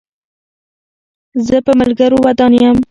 زه په ملګرو ودان یم.